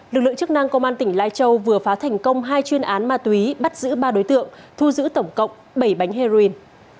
lực lượng chức năng công an tỉnh lai châu vừa phá thành công hai chuyên án ma túy bắt giữ ba đối tượng thu giữ tổng cộng bảy bánh heroin